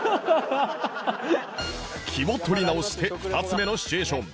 気を取り直して２つ目のシチュエーション